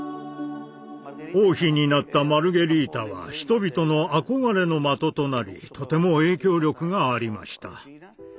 王妃になったマルゲリータは人々の憧れの的となりとても影響力がありました。